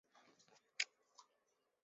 连锁公司自此在中国市场迅速扩张。